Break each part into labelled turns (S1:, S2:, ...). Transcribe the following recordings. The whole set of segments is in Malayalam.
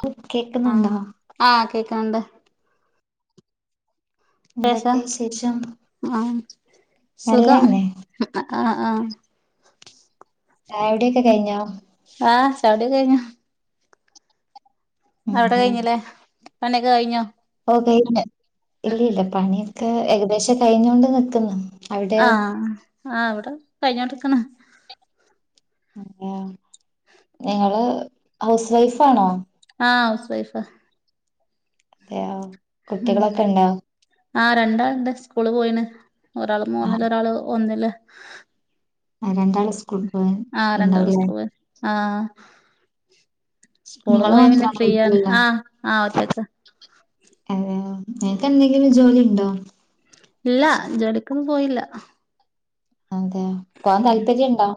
S1: കേ കേക്ക്ന്ന്ണ്ടോ
S2: ക്കാണ്ട്
S1: എന്തൊക്കെ
S2: ഷം
S1: വിശേഷം
S2: ആ സുഖം
S1: നല്ലതന്നെ
S2: ആ ആ
S1: ചായുടിക്കെ കയിഞ്ഞോ
S2: ചായുടിക്കെ കയിഞ്ഞു അവടെ
S1: അതെയോ
S2: കയിഞ്ഞിലെ പണിഒക്കെ കയ്ഞ്ഞോ
S1: കയിഞ് ഇല്ല ഇല്ല പണിക്കെ ഏകദേശം കഴിഞ്ഞോണ്ട് നിക്ക്ന്ന്.
S2: ആ ആ വടെ കഴിഞ്ഞോണ്ട്ക്ക്ണ്.
S1: ആ നിങ്ങള് ഹൗസ് വൈഫാണോ
S2: ആ ഹൗസ് വൈഫാ
S1: അതെയോ
S2: ഉം
S1: കുട്ടികളൊക്കെണ്ടൊ?
S2: ആഹ് രണ്ടാള്ണ്ട്. സ്കൂള് പോയീണ്. ഒരാള്
S1: ആ
S2: മൂന്നില്, ഒരാള് ഒന്നില്.
S1: രണ്ടാള് സ്കൂൾ പോയി
S2: ആഹ് രണ്ടാള്
S1: ഇണ്ടാവുലേ
S2: സ്കൂള് പോയി ആഹ് സ്കൂള്
S1: നിങ്ങള്
S2: പോയ പിന്നെ
S1: മാത്രാണോ
S2: ഫ്രീയാണ്
S1: വീട്ടിലുള്ളെ
S2: ആഹ് ആഹ് ഒറ്റക്കാ.
S1: അതെയോ നിനക്ക് എന്തെങ്കിലും ജോലിണ്ടോ?
S2: ഇല്ല ജോലിക്കൊന്നും പോയില്ല.
S1: അതെ പോവാൻ താല്പര്യണ്ടോ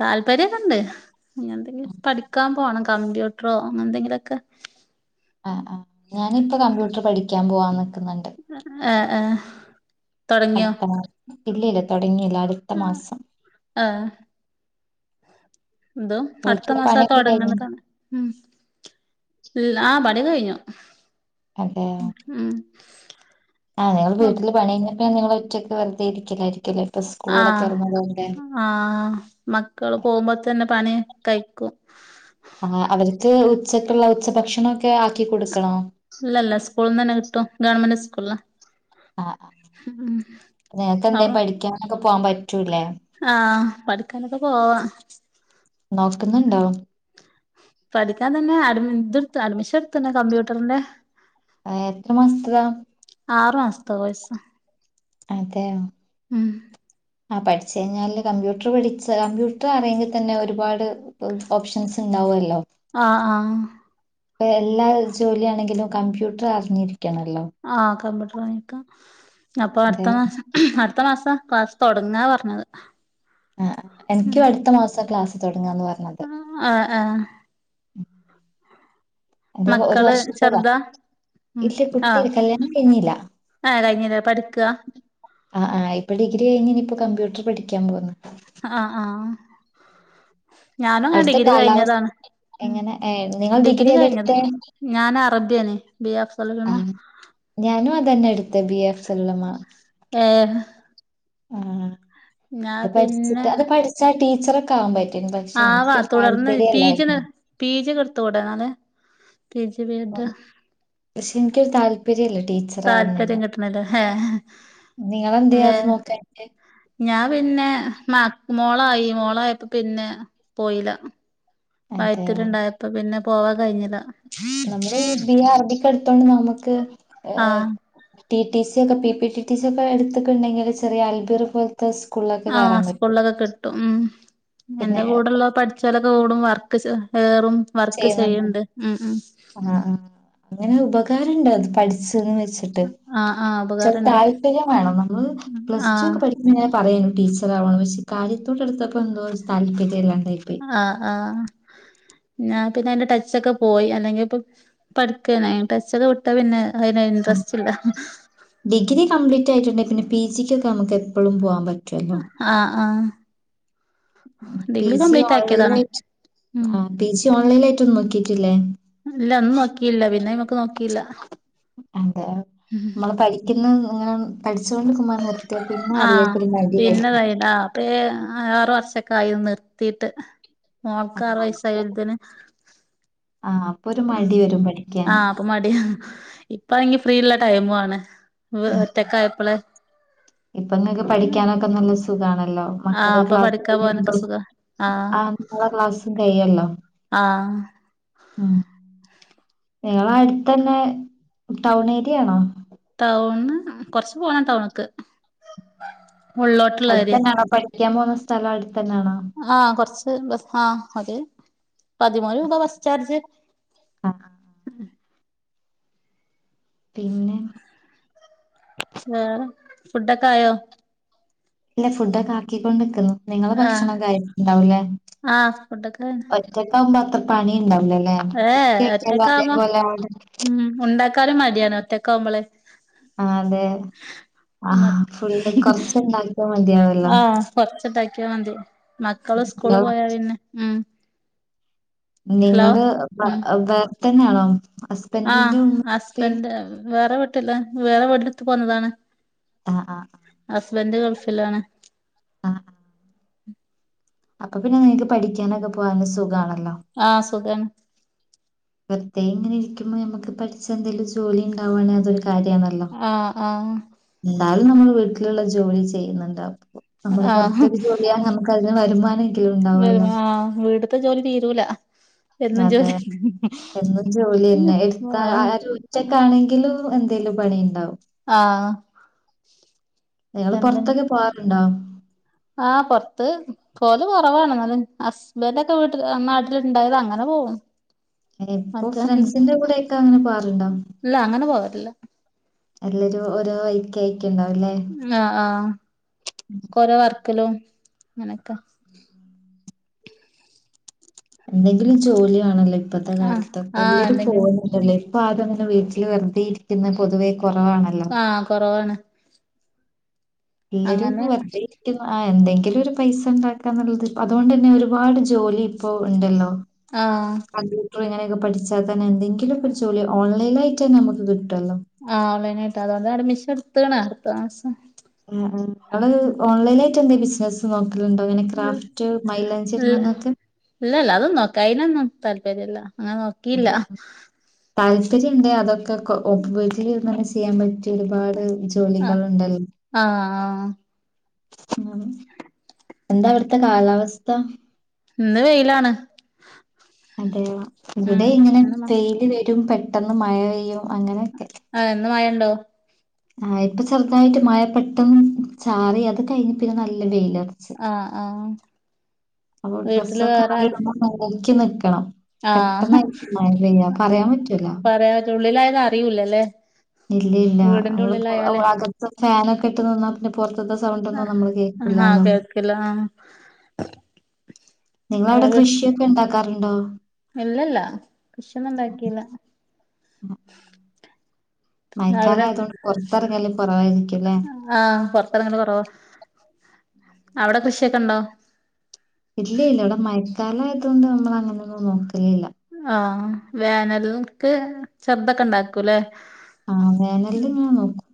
S2: താല്പര്യക്കെണ്ട് ഞ്ഞിന്തെങ്കിലും പഠിക്കാൻ പോണം കമ്പ്യൂട്ടറോ അങ്ങനെന്തെങ്കിലൊക്കെ.
S1: ആഹ് ആഹ് ഞാനിപ്പ കമ്പ്യൂട്ടർ പഠിക്കാൻ പോവാന്ന്.
S2: ആഹ് ആഹ് തൊടങ്ങിയോ
S1: അടുത്ത മാ ഇല്ലല്ല തൊടങ്ങീല്ല അട്ത്ത മാസം.
S2: എന്തോ അടുത്ത
S1: വീട്ടില്
S2: മാസാത്
S1: പണിയൊക്കെ കഴിഞ്ഞോ
S2: തൊടങ്ങ്ണതാണ്. മ് ഇല്ല ആഹ് പണിഒക്കെ കഴിഞ്ഞു.
S1: അതെയൊ
S2: ഉം
S1: ആഹ് ഇങ്ങള് വീട്ടില് പണി കയ്ഞാ പിന്നെ നിങ്ങളൊറ്റയ്ക്ക് വെറുതെ ഇരിക്കലായിരിക്കല്ലെ
S2: ആഹ് ആഹ് മക്കള് പോകുമ്പോ തന്നെ പണി കഴിക്കും
S1: ആ അവർക്ക് ഉച്ചക്ക്ള്ള ഉച്ചഭക്ഷണൊ
S2: ഇല്ലല്ല സ്കൂള്ന്നന്നെ കിട്ടും ഗവൺമെന്റ് സ്കൂള
S1: ആ അ നിനക്ക് എന്തേം പഠിക്കാനൊക്കെ പോവാൻ പറ്റൂല്ലേ
S2: പഠിക്കാനൊക്ക്പോവാ
S1: നോക്ന്നുണ്ടോ
S2: പഠിക്കാൻ തന്നെ അഡ് മി അഡ്മിഷൻ ഇട്ത്ത്ണ് കമ്പ്യൂട്ടറിന്റെ
S1: അ എത്ര മാസത്തതാ
S2: ആറു മാസത്ത കോഴ്സ
S1: അതെയോ
S2: ഉം
S1: ആ പഠിച്ചു കഴിഞ്ഞാല് കമ്പ്യൂട്ടർ പഠിച്ച കമ്പ്യൂട്ടർ അറ്യെങ്കി തന്നെ ഒരുപാട് ഓപ്ഷൻസ് ഉണ്ടാവുവല്ലോ
S2: ആഹ് ആഹ്
S1: ഇപ്പ എല്ലാ ജോലിയാണെങ്കിലും കമ്പ്യൂട്ടർ അറിഞ്ഞിരി
S2: ആഹ് കമ്പ്യൂട്ടർ വാങ്ങിക്കാ അപ്പൊ
S1: അതെ
S2: അടുത്ത മാസം അട് ത്ത മാസ ക്ലാസ് തുടങ്ങാ പറഞ്ഞത്
S1: ആ എനിക്കും അടുത്ത മാസ ക്ലാസ് തുടങ്ങാന്ന് പറഞ്ഞത്
S2: ഏ ഏ
S1: എന്റെറെ ഒരു
S2: മക്കള്
S1: വർഷത്തതാ
S2: ചെറുതാ ഉം
S1: ഇല്ല
S2: ആഹ്
S1: കുട്ടില്ല കല്യാണം കഴിഞ്ഞില്ല
S2: ആഹ് കഴിഞ്ഞില്ലേ പഠിക്കാ
S1: അ ആ ഇപ്പ ഡിഗ്രി കയിഞ്ഞിനി ഇപ്പൊ കമ്പ്യൂട്ടർ പഠിയ്ക്കാൻ പോകുന്നു
S2: ആഹ് ആഹ് ഞാനും അങ്ങനെ
S1: അവ്ടത്ത
S2: ഡിഗ്രി
S1: കാലവസ്
S2: കഴിഞ്ഞതാണ് ഉം
S1: എങ്ങനെ ഏ നിങ്ങൾ ഡിഗ്രി ഏതാ ഇട്ത്തെ
S2: ഞാൻ അറബിയാണ് ബി എ അഫ്സൽ ഉലമ
S1: ആഹ് ഞാനും അതന്നെ ഇട്ത്തത് ബി എഫ് സല്ല മാ
S2: ഏഹ്
S1: ആ
S2: ഞാൻ
S1: അത്
S2: പിന്നെ
S1: പഠിച്ചിട്ട് അത് പഠിച്ചാ ടീച്ചറൊക്കെ ആവാൻ പ
S2: ആവാ തുടർന്ന് പീ ജി യൊന്ന് പീ ജി യൊക്കെ ഇട്ത്തൂടെ ഇന്നാല് പീ ജി ബി
S1: ഉം.
S2: എഡ്
S1: പക്ഷെ എനിക്കൊരു താല്പര്യമല്ല
S2: താല്പര്യം
S1: ടീച്ചറാവുന്നതിന്
S2: കിട്ട്ണില്ലെ ഹേ
S1: നിങ്ങളെന്തേ അത്
S2: വേം
S1: നോക്കാനിട്ട്
S2: ഞാൻ പിന്നെ മ മോളായി മോളയപ്പോ പിന്നെ പോയില
S1: അതെയോ
S2: വയറ്റിലുണ്ടായപ്പം പിന്നെ പോവാൻ കഴിഞ്ഞിലാ
S1: നമ്മള് ബി അറബിക്കാ എടുത്തോണ്ട് നമുക്ക് ഏ
S2: ആഹ്
S1: ടി ടി സി ഒക്കെ പി ടി ടി സി ഒക്കെ എടുത്തിട്ടുണ്ടെങ്കിൽ ചെറിയ അൽബിർ പോല
S2: ആ സ്കൂളിലൊക്കെ കിട്ടും ഉം
S1: പിന്നെ
S2: എന്റെ കൂടെള്ള പഠിച് [unintelligible] വർക്ക് ച് ഏറും വർക്ക്
S1: ചെയ്യുന്നുണ്ടൊ
S2: ചെയ്യണ്ട് ഉം ഉം
S1: ആ അങ്ങനെ ഉപകാരണ്ട് അത് പഠിച്ചന്ന് വ ച്ട്ട്
S2: ആഹ് ആഹ് ഉപകാരണ്ട്
S1: താല്പര്യം വേണം നമ്മള് പ്ലസ്റ്റു
S2: ആഹ്
S1: ഒക്കെ പഠിക്കുമ്പൊ ഞ പറ യേനു ടീച്ചർ ആവണംന്ന് പക്ഷേ കാര്യത്തോടെടുത്തപ്പോ എന്തോ താല്പര്യല്ലാ
S2: ആ ആ [unintelligible] പിന്നെ അതിന്റെ ടച്ചൊക്കെ പോയി അല്ലെങ്കി ഇപ്പം പഠിക്കേനി അയ്ന് ടച്ചൊക്കെ വിട്ടാ പിന്നെ അതിന്
S1: ഉം
S2: ഇൻട്രസ്റ്റ് ഇല്ല
S1: ഡിഗ്രി കംപ്ലീറ്റ് ആയിട്ടുണ്ടെ പിന്നെ പി ജിക്ക് ഒക്കെ നമുക്ക് എപ്പളും പോവാൻ പ
S2: ആ ആ
S1: പി ജി ഓൺലൈൻ
S2: ആക്കിയതാണ്
S1: ആയിട്ട്
S2: ഉം
S1: ആ പി ജി ഓൺലൈൻ ആയിട്ട് ഒന്നും നോക്കിട്ടില്ലേ
S2: ഇല്ല ഒന്നും നോക്കിയില്ല പിന്നയ്മ്മക്ക് നോക്കിയില്ല
S1: അതെ നമ്മള് പഠിക്കുന്ന ഇങ്ങനെ പഠിച്ചോണ്ട് [unintelligible]
S2: ആ പിന്നെതായിടാ അപ്പേ ആ ആറ് വർഷൊക്കെ ആയി നിർത്തിട്ട് മോൾക്ക് ആറു വയസായലത്തേന്
S1: ആഹ് അപ്പൊ ഒരു
S2: ഉം
S1: മടി വരും
S2: ആ
S1: പഠിക്കാന്
S2: അപ്പ മടി ഇപ്പാങ്കി ഫ്രീള്ള ടൈമ ആണ്
S1: ഉം
S2: ഒറ്റക്കായപ്പോള
S1: ഇപ്പൊ നിങ്ങക്ക് പഠിക്കാനൊക്കെ നല്ല സുഖണ്
S2: ആഹ്
S1: മക്കള്
S2: അപ്പൊ
S1: ക്ലാ
S2: പഠിക്കാൻ പോവാനൊക്കെ
S1: കഴ
S2: സുഖാ
S1: ആ ന ക്ലാസ്സും കഴല്ലോ
S2: ആ
S1: ഉം നിങ്ങള അടുത്ത തന്നെ ടൗൺ ഏരിയ ആണോ
S2: ടൗണ് കൊറച്ച് പോണ ടൗണക്ക്
S1: അടുത്തെന്നൊണോ പഠിക്കാൻ പോന്ന സ്ഥലം അടുത്ത തന്നൊണോ
S2: ആ കൊറച്ച് ബ ആ അതെ പതിമൂന്ന് രൂപ ബസ് ചാർജ്
S1: ആഹ് ആഹ് പിന്നെ
S2: വേറെ ഫുഡൊക്കെ ആയോ
S1: ഇല്ല ഫുഡൊക്കെ ആക്കിക്കൊണ്ട്ക്കുന്നു നിങ്ങള്
S2: ആഹ്
S1: ഭക്ഷണം കഴുണ്ടാവല്ലേ
S2: ആഹ് ഫുഡൊക്കെ ആയിണ്
S1: ഒറ്റക്കാവകുമ്പോ അത്ര പണി
S2: ഏഹ്
S1: ഉണ്ടാവല്ലേക്കത പോലെ
S2: ക്കാലം മതിയാണ് ഒറ്റക്ക ആവുമ്പളെ
S1: ആ അതെ ആ
S2: മ
S1: ഫുള്ള് കൊറച്ച് ഉണ്ടാക്കിയാ മതിയാവല്ലോ
S2: ഒക്ക മതി മക്കള് സ്കൂള്
S1: ഇങ്ങള്
S2: പോയാ പിന്നെ ഉ
S1: നിങ്ങള് വേറെ തന്നെയാണോ
S2: ആ ഹസ്ബൻഡ് വേറെ വീട്ടില്ല വേറെ വീട്ടില എത്ത് പോന്നതാണ്
S1: ആ ആ
S2: ഹസ്ബൻഡന്റെ ഗൾഫിലാണ്
S1: ആ
S2: ഉ
S1: അപ്പൊ പിന്നെ നിങ്ങൾക്ക് പഠിക്കാനൊക്കെ പോകാന സുഖമാണ്
S2: ആ സുഖന്
S1: വൃയം ഇങ്ങനെ ഇുമോൾ നമു പഠിച്ച എന്തെങ്കുംലിണ്ടാവാണങ്കിൽ അൊരു
S2: ആ ആ
S1: എന്തായാലും നമ്മൾ വീട്ടിലുള്ള ജോലി ചെയ്യുന്നുണ്ട് അ നമ്മള് പുറത്തൊരു ജോലിയ നമുക്ക്ന് വരു
S2: വ ആ വീടത്തെ ജോലി തീരൂല എന്നും
S1: അതെ
S2: ജോലി
S1: എന്നും ജോലിന്നെ എടുത്താ ആ
S2: ആഹ്
S1: ക്കണെങ്കിലും എന്തെങ്കലും പണി ഉണ്ടാവും
S2: ആ
S1: ഞങ്ങള് പുറത്തൊക്കെ പോകറുണ്ടോ
S2: ആ് പുറത്ത് പോവല് കുറവാണ് ന് ഹസ്ബൻറ് ഒക്കെ വീട്ടിൽ നാട്ടിലുണ്ടായത് അങ്ങനെ ഓ
S1: ഇപ്പൊ ഫ്രണ്ട്സിന്റെ കൂടെയൊക്കെ അങ്ങനെ പോവാറുണ്ടോ
S2: ല്ല
S1: എല്ലരും ഓരോ വൈക്കായി
S2: ആഹ് ആഹ ഓരോ വർക്കിലും അങ്ങനെയൊക്കെ
S1: എന്തെങ്കിലും ജോലി വാണല്ലോ ഇപ്പത്തെ
S2: ആഹ്
S1: കാലത്ത്
S2: ആഹ്
S1: എല്ലരും
S2: എന്തെങ്കിലും
S1: പോുന്നുണ്ടല്ലേ പ്പ ആരുതങ്ങനെ വീട്ടിൽ വെറുതെയിരിക്കുന്ന പൊതുവെ
S2: ആഹ കൊറവാണ്
S1: എല്ലരും
S2: അങ്ങനെ
S1: പ്പം വെറ്തെയിരിക്ക ആ എന്തെങ്കിലും ഒരു പൈസ ഉണ്ടാക്കാ എന്നുള്ളത് അതുകൊണ്ട് തന്നെ ഒരുപാട് ജോലി ഇപ്പോൾ ഉണ്ടല്ലോ
S2: ആഹ
S1: ഇപ്പോങ്ങനൊക്കെ പഠിച്ചാൽന്നെ എന്തെങ്കിലൊക്കെ ജോലി ഓൺലൈ ആയിട്ട തന്നെ നമു
S2: ആ ഓൺലൈനായിട്ട് അതൊണ്ട് അഡ്മിഷൻ എടുത്ണ്അടുത്ത മാസം
S1: ആള് ഓൺലൈന ആയിട്ട് എന്ത ബിസിന നോ
S2: ഉ ഇല്ല
S1: ഇടുന്നതിനൊക്കെ?
S2: ഇല്ലല്ല അതൊ നോക്കാം അയ്നൊന്നും താല് ല്ല അങ്ങനെ നോക്കിയില്ല
S1: താല്പര്യംണ്ട് അതൊക്കെ ഒപന്നെ [unintelligible] ചെയ്യാൻ പറ്റിയ ഒരുപാട്
S2: ആഹ്
S1: ജോലികളുണ്ടല്ലോ
S2: ആഹ്
S1: ഉ എന്താ ഇവിടുത്തെ കാലാവസ്ഥ
S2: ഇന്ന് വെയിലാണ്
S1: അതെയോ
S2: ഉം
S1: ഇവിടെ ഇങ്ങനെ
S2: ഇന്ന് മ
S1: വെയില് വരും പെട്ടെന്ന് മഴ പെയ്യും അങ്ങനെയൊക്കെ
S2: ആഹ് മഴണ്ടോ
S1: ആ ഇപ്പൊ ചെറുതായിട്ട് മഴ പെട്ടെന്ന് ചാറി അത് കഴിഞ്ഞ പിന്നെ നല്ല വെയില
S2: ആഹ ആഹ
S1: അപ്പൊ ഡ്രസ്സൊക്കെ ആറിടുക മ്പൊ നോക്കി നിക്കണം പെട്ടെന്ന്
S2: ആഹ്
S1: മഴ പെയ്യാ പറയാൻ പറ്റൂലോ
S2: പറയാൻ പറ്റ ഉള്ളിലായത് അറിയൂലല്ലേ
S1: ഇല്ലല്ല
S2: വീടിന്റെ
S1: നമ്മള്
S2: ഉള്ളിലായാലേ
S1: അകത്ത ഫാനൊക്കെ ഇട്ട്ന്നാ പിന്നെ പൊ ത്ത സൗണ്ടന്നും നമ്മള്
S2: ആഹ്
S1: കേൾക്കില്ലാലോ
S2: കേൾക്കില്ല
S1: നിങ്ങവിടെ
S2: ആഹ്
S1: കൃഷിയൊക്കെ ഉണ്ടാക്കാറുണ്ടോ
S2: ഇല്ലല്ല കൃഷി ഒന്നും ഉണ്ടാക്കിയില്ല
S1: ഉ [unintelligible]
S2: ആവിടെ
S1: പൊറത്തെറങ്ങല് കൊറവായിരിക്കുംല്ലേ?
S2: ആഹ പുറത്തിറങ്ങനെ കുറവാ അവിടെ കൃഷിയൊക്കെ ഉണ്ടോ
S1: ഇല്ല ഇല്ല അവിടെ മയക്കാലയതുക കൊണ്ട് നമ്മൾ അങ്ങനെയൊന്നും നോക്കലല്ല
S2: ആഹ വേനൽക്ക് ചെർദൊക്കെ ഉണ്ടാക്കൂല്ലെ
S1: ആഹ വേനല് ഇങ്ങനെ നോക്കും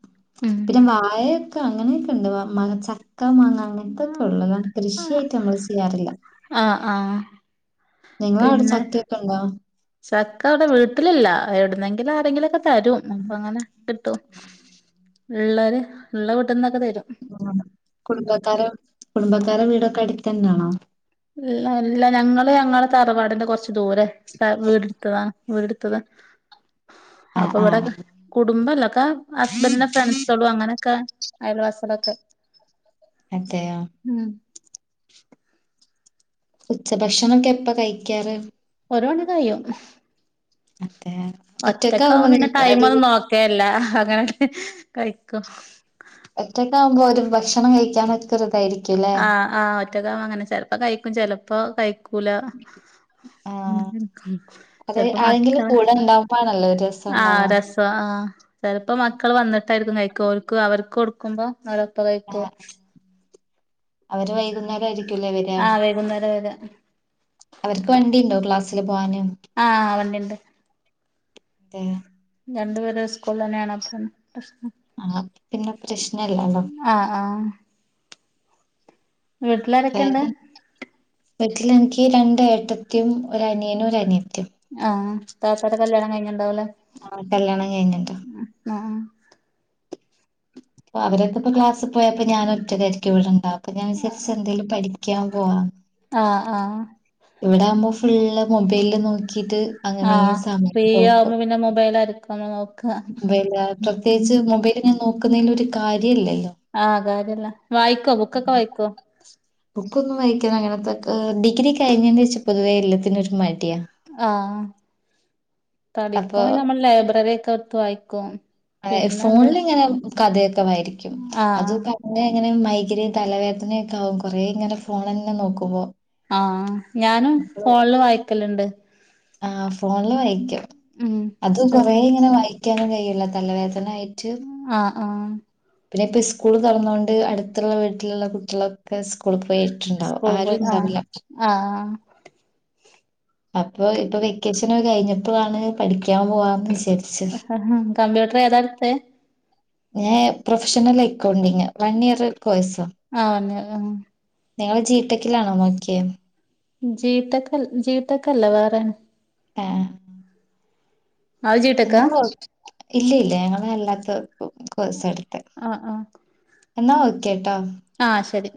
S1: പിന്നെ വാായഴൊക്കെ അങ്ങനെയൊക്കെ ഉണ്ട് മച്ച മക്ക മാങ്ങ അങ്ങനത്തൊക്കെ
S2: ഉം
S1: ഉള്ള അതാണ് കൃഷിയായിട്ട് നമ്മള് ചെയ്യാറില്ല
S2: ആഹ് ആഹ്
S1: നിങ്ങള അവിടെ
S2: പിന്നെ
S1: ചക്കയൊക്കെ ഉണ്ടോ
S2: ചക്ക അവിടെ വീട്ടിലില്ല എവിടുന്നെങ്കിലും ആരെങ്കിലും ഒക്കെ തരും പ്പം അങ്ങനെ കിട്ടും ഉള്ള ഉള്ള വീ
S1: കുടുംബക്കാര കുടുംബക്കാരടെ വീടൊക്കെ അടിത്ത തന്നെയാണോ
S2: ഇല്ല ഇല്ല ഞങ്ങള് ഞങ്ങള് തറവാടിന്റെ കൊറച്ച് ദൂരെ വീടെടുത്തതാണ് വീടെടുത്തത്
S1: [inaudible] ആഹ്
S2: അപ്പൊവിടെ
S1: ആഹ്
S2: കുടുംബല്ല ക്ക ഹസ്ബൻഡന്റെ ഫ്രണ്ട്സോളും അങ്ങനെയൊക്കെ അയൽവാസലൊക്കെ
S1: അതെയോ ഉച്ചഭക്ഷണം ഒക്കെ എപ്പ കഴിക്കാറ്
S2: ഒരണി കയ്യും
S1: അതെ
S2: ഒറ്റക്കാവ
S1: ഒറ്റക്കാവുമ്പോ
S2: പിന്നെ
S1: നിനക്ക്
S2: കൈമ ഒന്നും
S1: അതൊരു
S2: നോക്കേല്ല അങ്ങനെ കൈക്ക
S1: ഒറ്റക്കെ ആവുമ്പോ ഒരു ഭക്ഷണം കഴിക്കാൻ ഒ ചെറുതായിരിക്കും
S2: ആഹ ആഹ ഒറ്റക അങ്ങനെ ചെിലപ്പോ കഴിക്കും ചെിലപ്പോ കഴിക്കൂല
S1: ആഹ് അത്
S2: ചെിലപ്പോ മക്ക
S1: ആരെങ്കിലും കൂടെ ഉണ്ടാവുമ്പോഴാണല്ലോ ഒരു രസം
S2: ആഹ
S1: ഉണ്ടാവാ
S2: രസം ആഹ ചിലപ്പോ മക്കൾ വന്നിട്ടായിരിക്കും കഴിക്ക അവർക്ക് അവർക്ക് കൊടുക്കുമ്പോ അവരൊപ്പ കഴിക്കും
S1: ആഹ് അവര് വൈകുന്നേരമായിരിക്ക
S2: ആഹ് വൈകുന്നേരം വരെ
S1: അവക്ക് വണ്ടണ്ടോ ാ
S2: ആഹ അവണ്ടണ്ട്
S1: അ
S2: രണ്ടുപേര് സ്കൂള തന്നെയാണ് അത്രം പ്രശ്നം
S1: ആ പിന്നെ പ്രശ്നല്ലല്ലോ
S2: ആഹ് ആഹ് വീട്ടിലാരൊക്കെ ഇണ്ട്
S1: വീട്ടിൽ എനിക്ക് രണ്ട ഏട്ടത്തിും ഒരുരനിയന ഒരു അനിയും
S2: ആ താത്താരെ കല്യാണം കഴിഞ്ഞ് ണ്ടാവ് ലെ
S1: ആഹ് കല്യാണം കഴിഞ്ഞിണ്ട്
S2: ആ
S1: അപ്പ അവരൊക്കെപ്പ ക്ലാസ് പോയപ്പോ ഞാൻ ഒറ്റക്കേരിക്ക് ഇവിടെണ്ടാവ അപ്പ ഞാ വിചാരിച്ച് എന്തേലും പഠി ക്യയാം പോവ
S2: ആ ഹാ
S1: ഇവിടെ ആവ്മ്പ ഫുള്ള് മൊബൈല് നോക്കി
S2: ആ ഫ്രീ ആവുമ്പോ പിന്നെ മൊബൈലാരിക്ക് ഒന്ന് നോ
S1: ബൈലാ പ്രത്യേകിച്ച് മൊബൈല് ങ്ങനെ നോക്കുന്നേല് ഒരു കാര്യല്ലെ
S2: ആ കാര്യല്ല വായിക്കോ ബുക്കൊക്കെ വായിക്കോ
S1: ബുക്ക് ഒന്നും വായിക്ക്ണ അങ്ങനത്തെക്കെ ഡിഗ്രി കഴിഞ്ഞെന് എഷം പൊതുവേ എല്ലത്തിനും ഒരു മ
S2: ആ
S1: അപ്പൊ
S2: പഠിക്കുമ നമ്മള് ലൈബ്രററി ഒക്കെ എട് ത്ത് വായിക്കും
S1: ഏഹ്
S2: പിന്നെണ്ട്
S1: ഫോണിലിങ്ങനെ കഥയൊക്കെ വായിരിക്കും അത്
S2: ആഹ്
S1: തന്നെ ഇങ്ങനെ മൈഗ്രെയ്ൻ തലവേദനയൊക്കെ ആവും കൊറേ ഇങ്ങനെ ഫോണന്നെ നോക്കുമ്പൊ
S2: ആ ഞാനും ഫോൺല് വായിക്കല്ണ്ട്
S1: ആ ഫോണില് വായിക്കും അത് കൊറെ
S2: സ്റ്റോറി
S1: ഇങ്ങനെ വായിക്കാനും കഴിയില്ല തലവേദന ആയി
S2: ആ ആ
S1: പിന്നെ ഇപ്പ സ്കൂള് തൊറന്നോണ്ട് അട്ത്ത്ള്ള വീട്ടില്ള്ള കുട്ടിളൊക്കെ സ്കൂള് പോ യിട്ട്ണ്ടാവും
S2: സ്കൂൾ
S1: ആരും
S2: പോയി ആഹ്
S1: ഇണ്ടാവില
S2: ആഹ്
S1: അപ്പൊ ഇപ്പ വെക്കേഷന് കഴിഞ്ഞപ്പളാണ് പഠിക്കാൻ പോവാന്ന് വിചാരി
S2: ഹ ഹാ കമ്പ്യൂട്ടർ ഏതാട്ത്തെ
S1: ഞാ ഏ പ്രൊഫഷണൽ എക്കൗണ്ടിങ് വൺ ഇയർ കോഴ്സാ
S2: ആഹ് ഒന്ന് ആഹ്
S1: നിങ്ങള് ജീ ടെക് ലാണോ നോക്കിയെ
S2: ജീ ടെക് അൽ ജീ ടെക് അല്ല വേറെണ്
S1: എ ആ
S2: അഹ്‌ ജീ ടെക്ക
S1: ഇല്ല ഇല്ല ഞങ്ങള് അല്ലാത്ത ഇപ്പ കോഴ്സാണ്
S2: അ ആ
S1: എന്നാ ഓക്കെ
S2: ആ ശരി